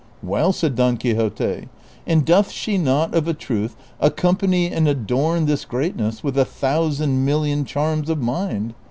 " Well !" said Don Quixote, " and doth she not of a truth accompany and adorn this greatness with a thousand million charms of mind